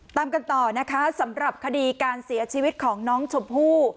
ตามกันต่อนะคะสำหรับคดีการเสียชีวิตของน้องชมพู่